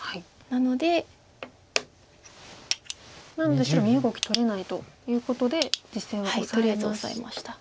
なので白身動き取れないということで実戦はオサえまして。